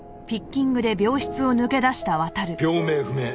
病名不明。